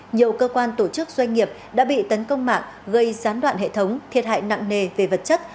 nhiều cơ quan tổ chức doanh nghiệp đã bị tấn công mạng gây gián đoạn hệ thống thiệt hại nặng nề về vật chất